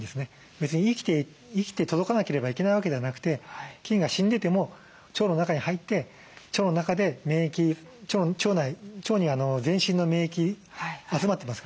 別に生きて届かなければいけないわけではなくて菌が死んでても腸の中に入って腸の中で免疫腸に全身の免疫集まってますからね。